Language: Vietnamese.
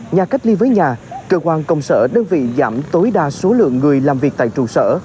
nhà cách ly với nhà cơ quan công sở đơn vị giảm tối đa số lượng người làm việc tại trụ sở